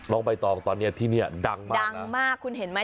ลองไปต่อตอนเนี้ยที่เนี้ยดังมากดังมากคุณเห็นไหม